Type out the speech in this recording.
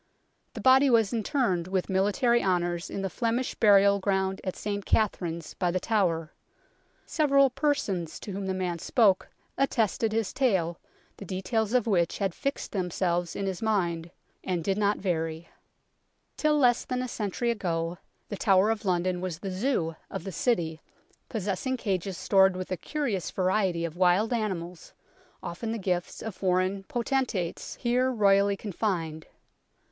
The body was interred with military honours in the Flemish burial ground at St Katharine's by The Tower. Several persons to whom the man spoke attested his tale, the details of which had fixed themselves in his mind, and did not vary. GHOSTS IN THE TOWER OF LONDON 65 Till less than a century ago The Tower of London was the " Zoo " of the City, possessing cages stored with a curious variety of wild animals, often the gifts of foreign potentates, here royally confined.